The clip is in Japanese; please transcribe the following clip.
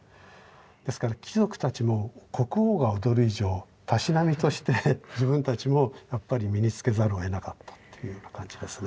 ですから貴族たちも国王が踊る以上たしなみとして自分たちもやっぱり身につけざるをえなかったというような感じですね。